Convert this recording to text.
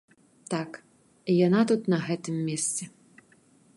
Так, яна тут на гэтым месцы.